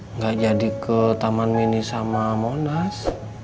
nggak jadi ke taman mini sama monas